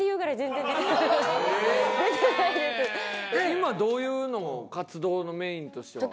今はどういうのを活動のメインとしては？